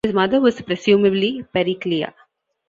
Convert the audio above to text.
His mother was presumably Pericleia.